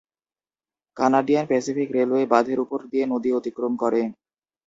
Canadian Pacific railway বাঁধের উপর দিয়ে নদী অতিক্রম করে।